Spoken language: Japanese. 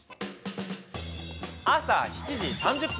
朝７時３０分。